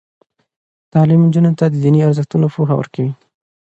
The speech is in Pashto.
تعلیم نجونو ته د دیني ارزښتونو پوهه ورکوي.